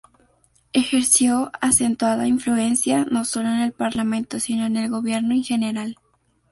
Ejerció acentuada influencia, no solo en el parlamento, sino en el gobierno en general.